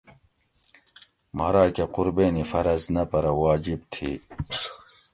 ما راکہ قُربینی فرض نہ پرہ واجِب تھی